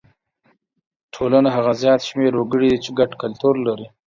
ټولنه هغه زیات شمېر وګړي دي چې ګډ کلتور لري.